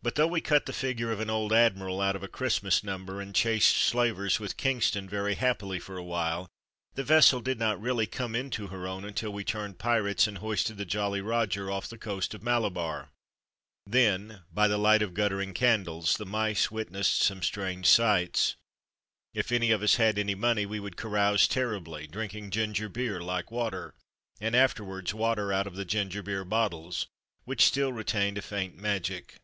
But though we cut the figure of an old admiral out of a Christmas number, and chased slavers with Kingston very happily for a while, the vessel did not really come into her own until we turned pirates and hoisted the " Jolly Roger " off the coast of Malabar. Then, by the light of guttering candles, the mice witnessed some strange sights. If any of us had any money we AN ENCHANTED PLACE 5 would carouse terribly, drinking ginger beer like water, and afterwards water out of the ginger beer bottles, which still retained a faint magic.